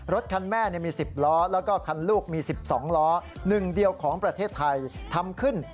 รถคันแม่มี๑๐ล้อแล้วก็คันลูกมี๑๒ล้อ๑เดียวของประเทศไทยทำขึ้น